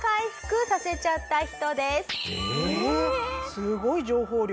すごい情報量。